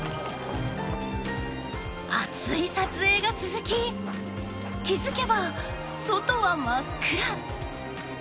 ［熱い撮影が続き気付けば外は真っ暗］